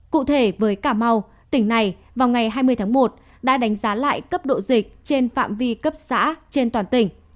cụ thể với cà mau tỉnh này vào ngày hai mươi tháng một đã đánh giá lại cấp độ dịch trên phạm vi cấp xã trên toàn tỉnh